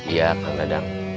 iya kang dadang